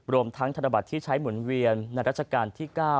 รวมทั้งธนบัตรที่ใช้หมุนเวียนในรัชกาลที่๙